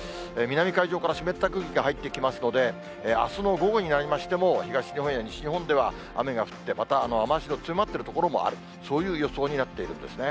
南海上から湿った空気が入ってきますので、あすの午後になりましても、東日本や西日本では雨が降って、また雨足の強まっている所もある、そういう予想になっているんですね。